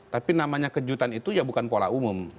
tapi namanya kejutan itu ya bukan pola umum